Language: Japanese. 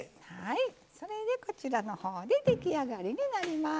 それでこちらの方で出来上がりになります。